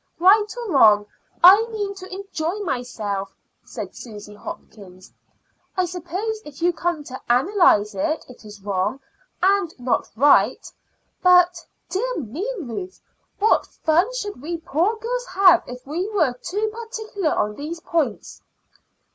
"Right or wrong, I mean to enjoy myself," said Susy Hopkins. "I suppose, if you come to analyse it, it is wrong, and not right. But, dear me, Ruth! what fun should we poor girls have if we were too particular on these points?"